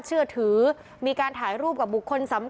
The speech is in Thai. คุณประสิทธิ์ทราบรึเปล่าคะว่า